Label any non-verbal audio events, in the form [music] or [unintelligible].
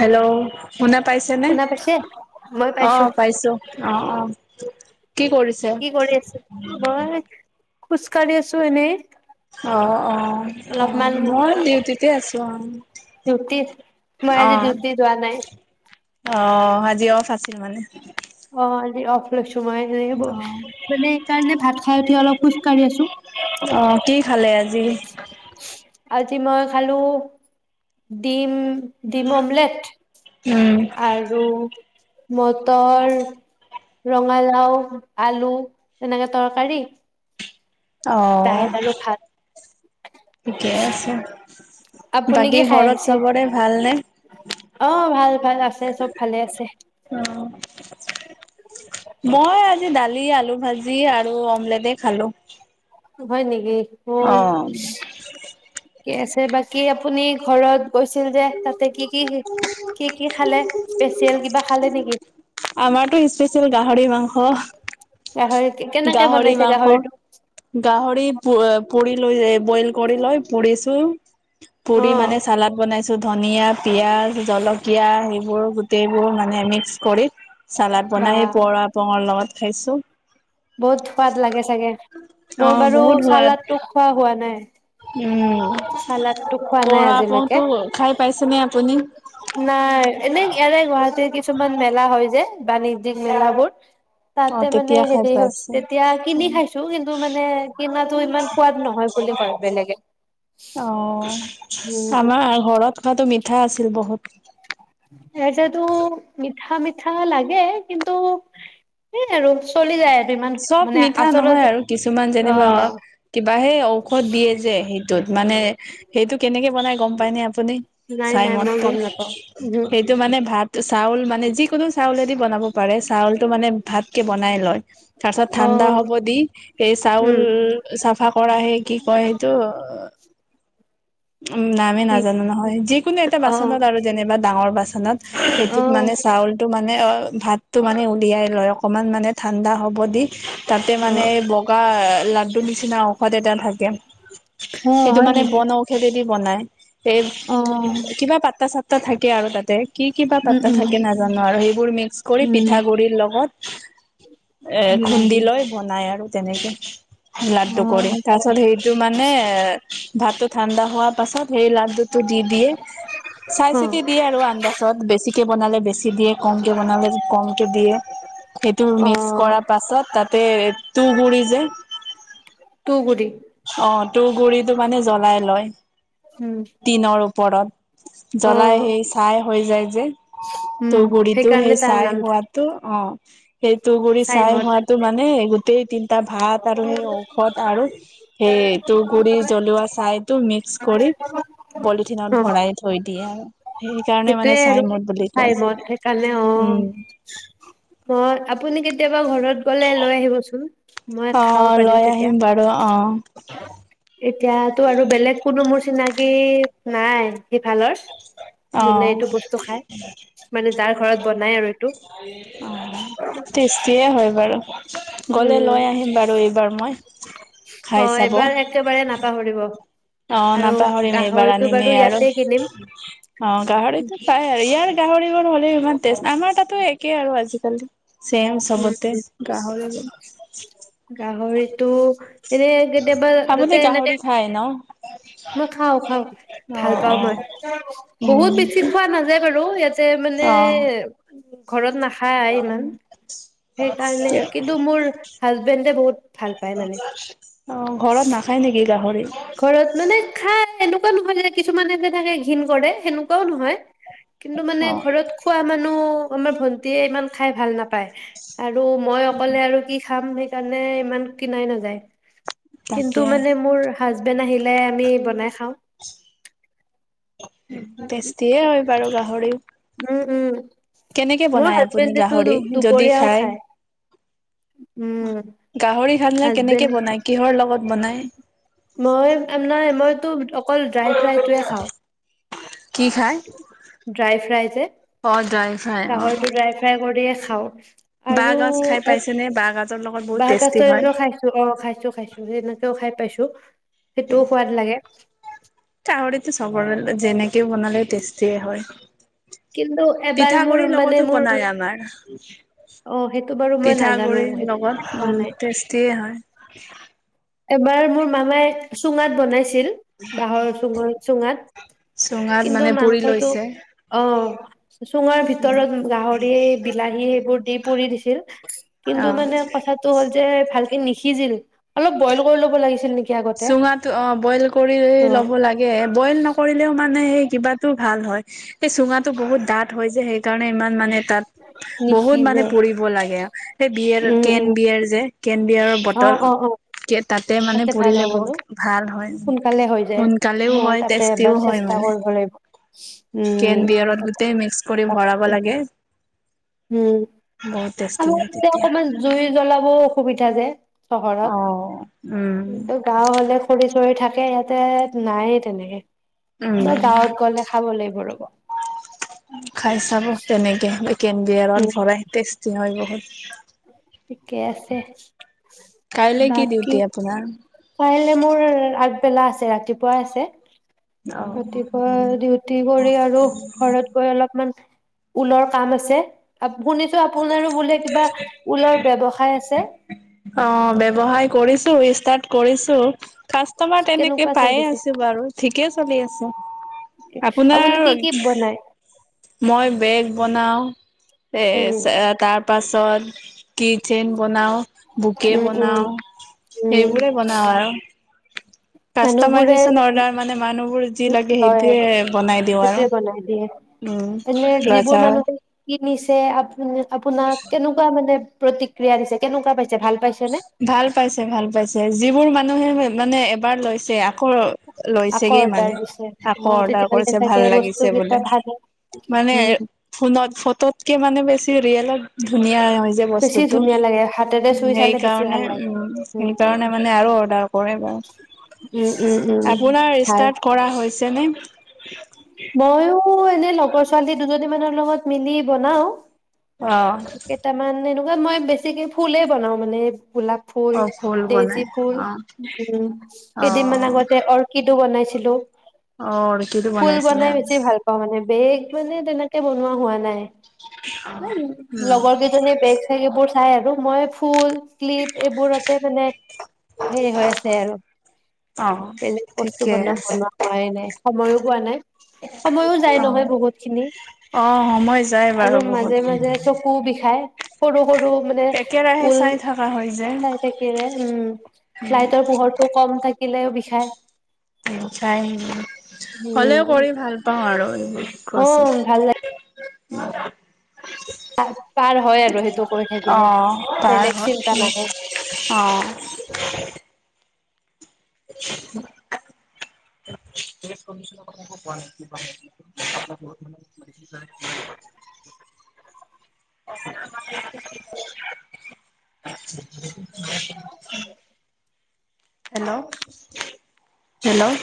Hello শুনা পাইছেনে? শুনা পাইছে? অ' পাইছো। অ' অ'। কি কৰিছে? কি কৰি আছে? মই - - খোজ কঢ়ি আছো এনেই। অঁ অঁ। অ অলপমান মই ডিউটিতে আছো অ ডিউটিত। মই অ। আজি ডিউটি যোৱা নাই। অ আজি অফ আছিল মানে? অ আজি অফ লৈছো। তোমাৰ সেই হব, মানে সেই কাৰণে ভাত খাই উঠি অলপ খোজ কাঢ়ি আছো। জি? আজি মই খালো ডিম। ডিম অমলেট উম আৰু মটৰ, ৰঙালাও, আলু, তেনেকে তৰকাৰী। অহ দাইল আৰু ভাত। ঠিকেই আছে। আপুনি কি বাকী খাই ঘৰত আহিছে? চবৰে ভালনে? অ ভাল ভাল আছে চব ভালে আছে। অ। মই আজি দালি আলু ভাজি জি আৰু অমলেটেই খালো। হয় নেকি? অ অহ। কি আছে বাকী আপুনি ঘৰত গৈছিল যে তাতে কি কি কি কি খালে? স্পেচিয়েল কিবা খালে নেকি? গাহৰি হহ্ কেনেকে গাহৰি বনাইছে মাংস গাহৰিটো গাহৰি প পুৰি লৈ যায় বইল কৰি লয় পুৰিছো অ পুৰি মানে চালাদ বনাইছো ধন নিয়াত পিঁয়াজ, জলকীয়া সেইবোৰ গোটেইবোৰ ন মানে মিক্স কৰি চালাদ বা বনাই এই পুৰনা আপুঙৰ লগত। খাইছোঁ। বহুত সোৱাদ লাগে চাগে, অ মই বাৰু বহুত সোৱাদ চালাদ তো খোৱা হোৱা নাই। উম, চালাডটো খোৱা নাই পুৰনা আজিলৈকে আপুঙটো খাই পাইছেনে আপুনি? নাই এনেই ইয়াৰে গুৱাহাটী টে কিছুমান মেলা হয় যে বাণিজ্যিক মেলাবোৰ অ তাতে মানে তেতিয়া খাই হেৰি পাইছে তেতিয়া কিনি খাইছো, কিন্তু মানে কিনাটো ইমান সোৱাদ নহয় বুলি কয় বেলেগে। অ হুম আমাৰ ঘৰত খোৱাটো মিঠা আছিল বহুত ৰাইছৰটো মিঠা মিঠ ঠা লাগে, কিন্তু সেইয় আৰু চলি যায় আৰু ইমান চব মানে মিঠা নহয় আচলতে আৰু, কিছুমান যেনিবা অ কিবা হেই ঔষধ দিয়ে যে, সেই টো, মানে সেইটো কেনেকে বনায় গম পাই নে আপুনি? আপুনি নাই চায় নাই মই মদটো? গম নাপাওঁ উহু সেইটো মানে ভাত, চাউল, মানে যিকোনো চাউলেদি বনাব পাৰে, চাউলটো মানে ভাতকে বন নাই লয়। তাৰ পিছত ঠাণ্ডা অ' হ'ব দি, এই উম চাউল চাফা কৰা হেই কি কয় এইটো উম, নামে ঠিক নাজানো নহয়। যিকোনো এটা অ' বাচনত আৰু যেনিবা ডাঙৰ বাচনত সেইটোত মানে অ' চাউলটো মানে অ ভাতটো মানে উলিয়াই লয় অকনমান মানে ঠাণ্ডা হব ব দি তাতে মানে অ' বগা লাড্ডু নিচিনা ঔষধ এটা থাকে, অ' সেইটো হয় মানে নেকি বন ঔষধ যে বনায় সেই, অ' কিবা পাত্তা চাত তা থাকে আৰু তাতে কি কি বা উম পাত্তা উম থাকে নাজানো আৰু সেইবোৰ মিক্স কৰি উম পিঠাগুৰিৰ লগত, এ মিলাই খুন্দি দিয়ে লৈ বনায় আৰু তেনেকে লাড্ডু কৰে। অ' তাৰ পাছত সেইটো মানে এ ভাতত হোৱাৰ পাছত সেই লাডু টো দি দিয়ে। চাই অ' অ' চিতি দিয়ে আৰু আন্দাচত, বেছিকে বনালে বেছি দিয়ে, কমকে বনালে কমকে দিয়ে, সেইটো অ মিক্স কৰাৰ পাছত, তাতে তুহ গুৰি যে, তুগুৰি অ' তুহ গুৰিত টো মানে জ্বলাই উম টিনৰ ওপৰ ওপৰত জ্বলাই অ' সেই চাই হৈ যায় যে উম তুহ গুৰিতো সেইকাৰণে সেই তাৰ চায় নাম হোৱাতো অহ! [unintelligible] সেই তুহ গুৰি ছাই চাইমদ হোৱাতো মানে গোটেই তিনিটা ভাত আৰু সেই ঔষধ আৰু সেই তুহ গুৰি জ্বলোৱা ছায় মিক্স কৰি পলিথিনত অ' ভৰাই থৈ দিয়ে আৰু সেইকাৰণে মানে সেইটোয়ে আৰু চাইমদ বুলি কয় চাইমদ চাগে, সেইকাৰণে অ' উম! মই আপুনি কেতিয়াৰ? এবাৰ ঘৰত গ'লে লৈ আহিবচোন মই খাব অ', পাৰিম লৈ তেতিয়া আহিম বাৰু অ', [inaudible] এতিয়াতো আৰু বেলেগ কোনো মোৰ চিনাকি বি নাই সিফালৰ যোনে অ', এইটো বস্তু খায় মানে যাৰ ঘৰত বনাই আৰু এইটো টেষ্টিয়ে হয় বাৰু গ'লে উম লৈ আহিম বাৰু এইবাৰ মই। খাই অ চাব। এবাৰ একেবাৰে নাপাহৰিব। অ আৰু নাপাহৰো এইবাৰ গাহৰিটো বাৰু আনিমেই আৰু ইয়াতে কিনিম অ গাহৰিতো পাই আৰু ইয়াৰ গাহৰিবোৰ হলে ইমান আমাৰ তাতো একেই আৰু আজিকালি। ছেম উম সবতে গাহৰি গাহৰিটো এনে গ ডব মতে [unintelligible] [unintelligible] [unintelligible] খায় ন? মই খাও খাও ভাল অ', পাও অ', মই বহুত বেছি উম, খোৱা নাযায় বাৰু ইয়াত যে মানে অ'। ঘৰত নাখা কিন্তু মোৰ হাজবেণ্ডে বহুত ভাল পায় মানে অ ঘৰত নাখায় নেকি গাহৰি ঘৰত মানে খাই এনেকুৱা নহয় যে কিছুমাননে যেনেকে ঘিণ কৰে সেনেকুৱাও নহয়। কিন্তু মানে অ', ঘৰত খোৱা মানুহ আমাৰ ভণ্টিয়ে ইমান খাই ভাল নাপায় আৰু মই অকলে আৰু কি খাম সেইকাৰণে ইমান কিনাই নাযায়। তাকে কিন্তু মানে মোৰ হাজবেণ্ড আহিলে আমি বনাই খাওঁ। টেষ্টিয়ে হয় বাৰু গাহৰি উম উম কেনেকে মোৰ বনাই আপুনি হাজবেণ্ডেতো গাহৰি যদি দুপৰীয়াও খায়? উম খানা কেনেকে হাজবেণ্ড বনাই কিহৰ লগ ক'ত বনাই? মই আ নাই মই [unintelligible] [unintelligible] [inaudible] অকল ড্ৰাই ফ্ৰাইটোৱে খাওঁ। কি খায় ড্ৰাই ফ্ৰাই যে অ ড্ৰাই ফ্ৰাই অ গাহৰিটো ড্ৰাই ফ্ৰাই কৰি হে খাওঁ। বাঁহ আৰু গাজ খাই পাইছেনে বাঁহ গাজৰ লগত বহুত বাঁহ টেষ্টি হয় গাজৰ খাইছ? অ' খাইছো খাইছো সনেকেও খাই পাইছো সেইটোও সোৱাদ লাগে। গাহৰিতো চবৰে যেনেকেও বনালে টেষ্টিয়ে হয়। কিন্তু এবাৰ মোৰ পিঠাগুৰিৰ মানে লগতো মোৰ বনাই আমাৰ। অ সেইটো বাৰু মই নাজানো পিঠাগুড়িৰ সেইটো খাই লগত পোৱা উম নাই টেষ্টিয়ে হয়। এবাৰ মোৰ মামাই চূঙাত বনাইছ ছিল বাঁহৰ চূঙৰ চূঙাত। চুঙাত কিন্তু মানে পুৰি মাংসটো, লৈছে অ' চূঙাৰ ভিতৰত গাহৰি, বিলাহী সেইবোৰ দি পুৰি দিছিল কিন্তু অ মানে কথাটো হ'ল যে ভালকে নিসি সিজিল। অলপ বইল কৰি ল'ব লাগিছিল নেকি? আগতে চুঙাট অ' বইল কৰি অ ল'ব লাগে, বইল নকৰিলেওঁ মানে সে কিবাতো ভাল হয়, এই চুঙাটো বহুত ডাঠ হয় যে সেই কাৰণে ইমান মানে তাত বহুত মানে নিসিজে পুৰিব লাগে। সেই বিয়েৰ উম কেন উম বিয়েৰ যে কেন বিয়েৰৰ অ বটল অ অ কে তাতে মানে ভাল কৰিলে হ'ব ন বহুত ভাল হয়, সোনকালে হৈ যায় সোনকালেও মই হয় তাতে এবাৰ টেষ্টিও হয় চেষ্টা মানে কৰিব লাগিব উম কেন বিয়েৰত গোটেই মিক্স কৰি ভৰাব লাগে। উম বহুত টেষ্টি আমাৰ হয় তাতে তেতিয়া। অকনমান জুই জ্বলাবও অসু বিধা যে অ চহৰত, উম কিন্তু গাঁও হ'লে খৰি চৰি থাকে। ইয়াতে নাইয়ে তেনেকে। উম, কিবা গাঁৱত গ'লে খাব লাগিব ৰ'ব খাই চাব তেনেকে। কেনবিয়েৰত উম ভৰাই টেষ্টি হয়। বহুত। ঠিকে আছে। কাইলৈ কি বাকী ডিউটি আপোনাৰ? কাইলে মোৰ আগ বেলা আছে। ৰাতিপুৱা আছে। অ ৰাতিপুৱা ডিউটি কৰি আৰু ঘৰত গৈ অলপমান ঊলৰ কাম আছে। শুনিছো আপোনাৰো বোলে কিবা ফুলৰ ব্যৱসায় আছে? অ' ব্যৱসায় কৰিছো, ষ্টাৰ্ট কৰিছো। কাষ্টমাৰ তেনেকে কেনেকুৱা পায়ে চলিছে আছো বাৰু ঠিক। ঠিকে চলি আছে। আপোনাৰ আপুনি কি কি বনায়? মই বেগ বনাওঁ, এ, উম তাৰ পাছত কি চেইন বনাওঁ। বোকে উম উম বনাওঁ উম সেইবোৰে বনাওঁ আৰু। মানুহবোৰে কাষ্টমাইজেচন অৰ্ডাৰ মানে মানুহবোৰ যি লাগে হয় আৰু সেইটোৱে বনাই দিওঁ সেইটোয়ে বনাই দিয়ে আৰু [inaudible] নিচে আপোনাক আপোনাক কেনেকুৱা মানে প্ৰতিক্ৰিয়া দিছে। কেনেকুৱা পাইছে ভাল পাইছে নে ভাল পাইছে, ভাল পাইছে যিবোৰ মানে মানুহে মানে এবাৰ লৈছে আকৌ আকৌ লৈছেগে মানে অৰ্ডাৰ দিছে অ আকৌ অৰ্ডাৰ তেতিয়াহ'লে কৰিছে ভাল চাগে বস্তু লাগিছে কেইটা বোলে ভালে মানে উম ফোনত ফটোতকে মানে বেছি ৰিয়েলত ধুনীয়াই অ, বেছি ধুনীয়া লাগে হাতেৰে উম, চুই চালে বেছি সেইকাৰণে ভাল লাগে -উম, উম উম সেইকাৰণে মানে আৰু বা অৰ্ডাৰ কৰে বা উম উম উম আপোনাৰ ষ্টাৰ্ট কৰা হৈছেনে? ময়ো ও এনে লগৰ ছোৱালী দুজনী মানৰ লগত মিলি বনাও। অ', এনেকুৱাত মই বেছিকে ফুলেই বনাও মানে গোলাপ ফুল অ দেজী বনাই ফুল, অ উম অ কেইদিনমান আগতে অৰ্কিডো বনাইছ [unintelligible] অ, অৰ্কিডো বনাইছিলা। ভাল পাওঁ মানে বেগ মানে তেনেকে বনোৱা হোৱা নাই। অ [unintelligible] লগৰ কেইজনীৰ বেগ চেগ এইবোৰ খাই আৰু মই ফুল শ্লিপ এইবোৰতে মানে হেৰি হৈ আছে আৰু অ বেলেগ বস্তু ঠিকে বন আছে বনোৱা হোৱাই নাই। সময়ো হোৱা নাই। সময়ো যায় নহয় অ বহুত খিনি, অ সময় যায় বাৰু আৰু বহুত মাজে মাজে চকু বিষায়। ক'ৰো সৰু মানে একেৰাহে ঊল চাই থকা হয় যে চাই থাকিলৰে উম লাইটৰ পোহৰটো ক'ম থাকে লেও বিষাই। হ'লেওঁ উম কৰি ভাল পাওঁ আৰু। অ [unintelligible] মজা। পা পাৰ হয় আৰু সেইটো কৰি অ থাকিলে, তাৰ বেলেগ হয় চিন্তা নাহে। অ [inaudible] [inaudible] [inaudible] [inaudible] হেল্ল', হেল্ল'?